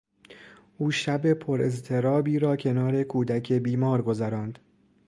او شب پر اضطرابی را کنار کودک بیمار گذراند.